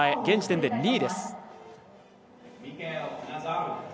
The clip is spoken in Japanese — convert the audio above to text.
現時点で２位です。